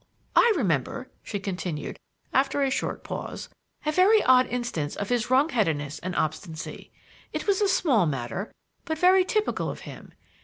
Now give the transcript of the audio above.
"I remember," she continued, after a short pause, "a very odd instance of his wrong headedness and obstinacy. It was a small matter, but very typical of him.